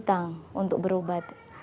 mereka tidak punya kemampuan untuk berobat